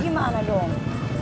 ada bentuknya lu textbooks ga